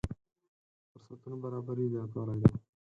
فرصتونو برابري زياتوالی دی.